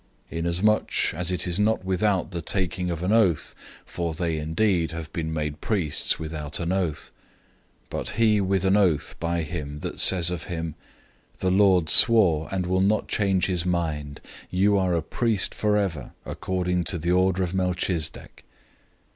007:020 Inasmuch as he was not made priest without the taking of an oath 007:021 (for they indeed have been made priests without an oath), but he with an oath by him that says of him, "The Lord swore and will not change his mind, 'You are a priest forever, according to the order of Melchizedek.'"